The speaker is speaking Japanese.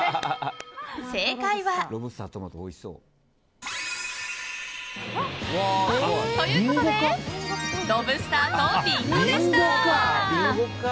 正解は。ということでロブスターとリンゴでした。